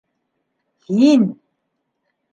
Һин!